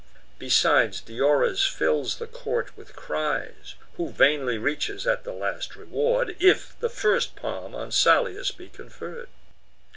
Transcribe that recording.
Besides, Diores fills the court with cries, Who vainly reaches at the last reward, If the first palm on Salius be conferr'd.